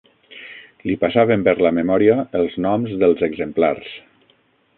Li passaven per la memòria els noms dels exemplars